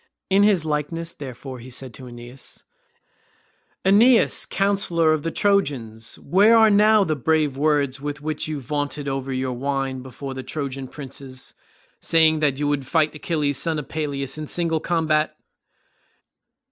In his likeness therefore, he said to Aeneas, "Aeneas, counsellor of the Trojans, where are now the brave words with which you vaunted over your wine before the Trojan princes, saying that you would fight Achilles son of Peleus in single combat?"